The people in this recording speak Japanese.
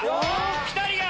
ピタリが‼